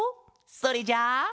それじゃあ。